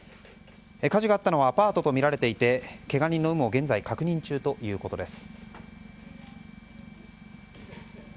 火事があったのはアパートとみられていてけが人の有無を現在確認中ということです。